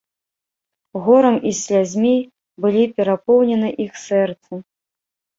Горам і слязьмі былі перапоўнены іх сэрцы.